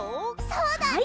そうだね。